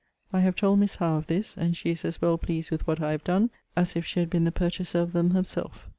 I have told Miss Howe of this; and she is as well pleased with what I have done as if she had been the purchaser of them herself.